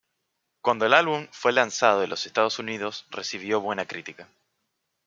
Cuando el álbum fue lanzado en los Estados Unidos recibió buena crítica.